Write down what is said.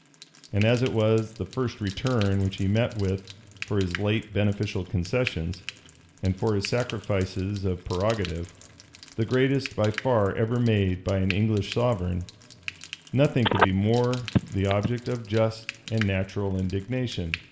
And as it was the first return which he met with for his late beneficial concessions, and for his sacrifices of prerogative, the greatest by far ever made by an English sovereign, nothing could be more the object of just and natural indignation.